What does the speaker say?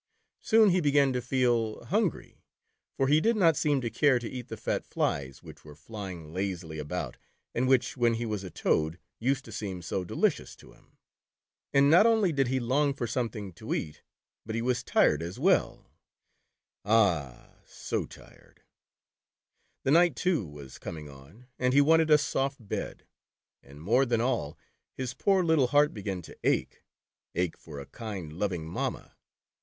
Soon he began to feel hungry, for he did not seem to care to eat the fat flies, which were flying lazily about, and which when he was a Toad, used to seem so delicious to him. And not only did he long for something to eat, but he w^as tired as well, ah, so tired ; the night, too, was com ing on and he wanted a soft bed. And more than all, his poor little heart began to ache — ache for a kind, loving mamma.